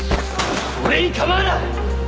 俺に構うな！